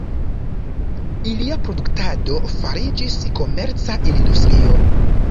Ilia produktado fariĝis komerca industrio.